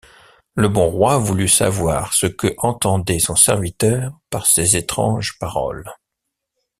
Le bon Roy voulut sçavoir ce que entendoyt son serviteur par ces estranges paroles.